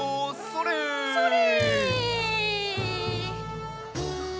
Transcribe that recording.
それ！